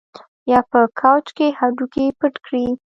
یا په کوچ کې هډوکي پټ کړي